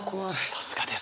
さすがです。